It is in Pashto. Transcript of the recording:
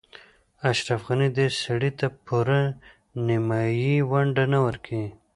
اشرف غني داسې سړي ته پوره نیمايي ونډه نه ورکوي.